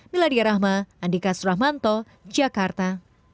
miladia rahma andika suramanto jakarta